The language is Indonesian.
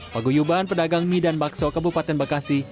peguyuban pedagang mie dan bakso kebupaten bekasi